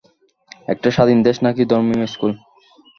একটা স্বাধীন দেশ নাকি ধর্মীয় স্কুল?